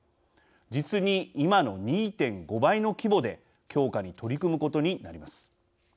実に今の２．５倍の規模で強化に取り組むことになります。